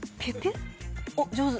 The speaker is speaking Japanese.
上手。